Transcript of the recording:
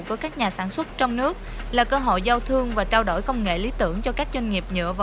của các nhà sản xuất trong nước là cơ hội giao thương và trao đổi công nghệ lý tưởng